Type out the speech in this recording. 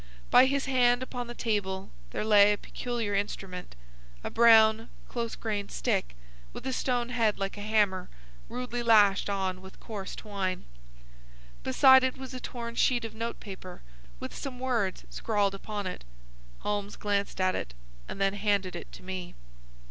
By his hand upon the table there lay a peculiar instrument,—a brown, close grained stick, with a stone head like a hammer, rudely lashed on with coarse twine. Beside it was a torn sheet of note paper with some words scrawled upon it. Holmes glanced at it, and then handed it to me.